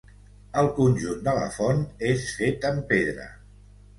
El conjunt de la font és fet amb pedra.